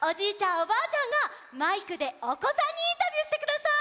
おばあちゃんがマイクでおこさんにインタビューしてください！